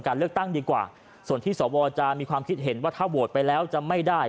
เลือกตั้งดีกว่าส่วนที่สวจะมีความคิดเห็นว่าถ้าโหวตไปแล้วจะไม่ได้